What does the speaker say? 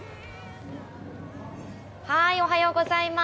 おはようございます。